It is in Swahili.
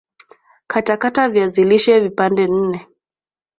katakata viazi lishe vipande nne